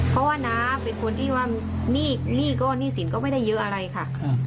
เพราะว่าน้าเป็นคนที่ว่าหนี้ก็หนี้สินก็ไม่ได้เยอะอะไรค่ะ